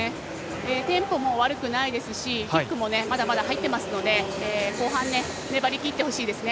テンポも悪くないですしキックもまだまだ入っているので後半、粘りきってほしいですね。